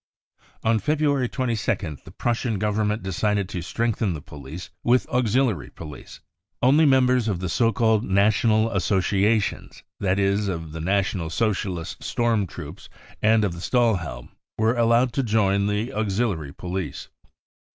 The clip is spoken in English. > On February 22nd the Prussian Government decided to strengthen the police with auxiliary police. Only members 1 Il6 BROWN BOOK OF THE HITLER TERROR of the so called national associations, feat is, of the National , Socialist storm troops and of the Stahlhelm, were allowed to join the auxiliary police.